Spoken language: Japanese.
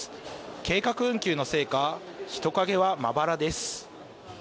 計画運休のせいか人影はまばらです